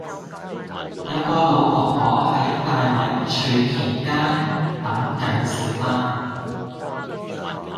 有個老婆婆喺大圍翠田街等緊小巴